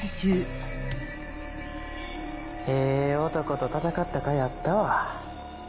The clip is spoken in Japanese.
ええ男と戦ったかいあったわ。